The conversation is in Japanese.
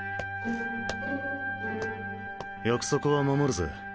約束は守るぜ。